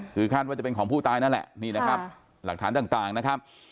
คือคาดว่าจะเป็นของผู้ตายนั่นแหละนี่นะครับหลักฐานต่างนะครับ